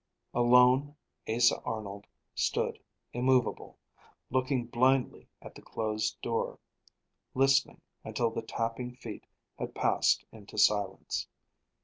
Alone, Asa Arnold stood immovable, looking blindly at the closed door, listening until the tapping feet had passed into silence.